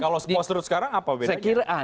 kalau post truth sekarang apa bedanya